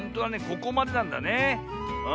ここまでなんだねえ。